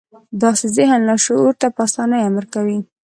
داسې ذهن لاشعور ته په اسانۍ امر کوي